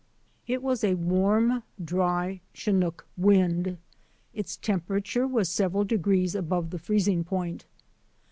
It was a warm, dry, chinook wind. Its tempera ture was several degrees above the freezing point.